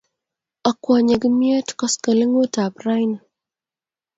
Akwonye kimnyet koskoling'ut ap raini